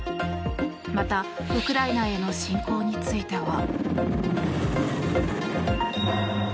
また、ウクライナへの侵攻については。